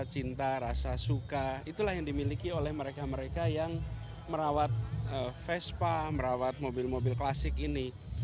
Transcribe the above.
cinta rasa suka itulah yang dimiliki oleh mereka mereka yang merawat vespa merawat mobil mobil klasik ini